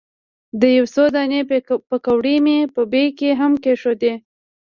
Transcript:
یو څو دانې پیکورې مې په بیک کې هم کېښودې.